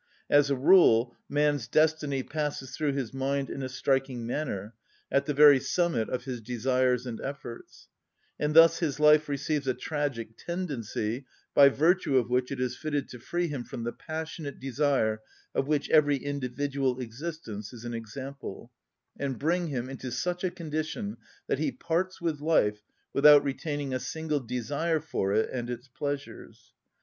As a rule man's destiny passes through his mind in a striking manner, at the very summit of his desires and efforts, and thus his life receives a tragic tendency by virtue of which it is fitted to free him from the passionate desire of which every individual existence is an example, and bring him into such a condition that he parts with life without retaining a single desire for it and its pleasures.